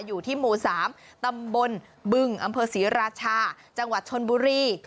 อยู่ที่หมู่๓ตำบลบึงอำเภอศรีราชาจังหวัดชนบุรี